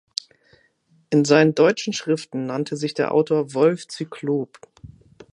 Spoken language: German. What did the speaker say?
In seinen deutschen Schriften nannte sich der Autor "Wolff Cyclop".